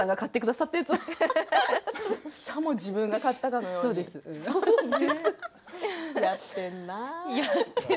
さも自分が買ったかのように、やってるな。